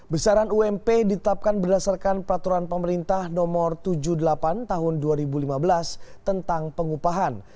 besaran ump ditetapkan berdasarkan peraturan pemerintah nomor tujuh puluh delapan tahun dua ribu lima belas tentang pengupahan